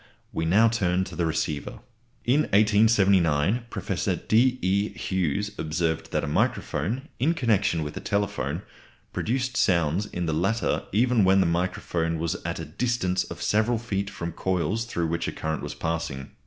We now turn to the receiver. In 1879 Professor D. E. Hughes observed that a microphone, in connection with a telephone, produced sounds in the latter even when the microphone was at a distance of several feet from coils through which a current was passing.